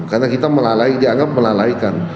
karena kita melalaikan dianggap melalaikan